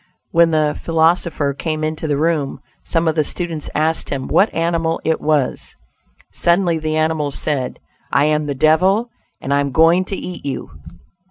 When the philosopher came into the room, some of the students asked him what animal it was. Suddenly the animal said "I am the devil and I am going to eat you."